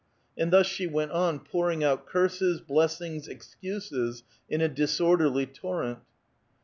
*' Ami thus she went on pouring out curses, l)lcs!*in«js, excuses, in a disorderly torrent.